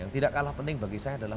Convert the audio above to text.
yang tidak kalah penting bagi saya adalah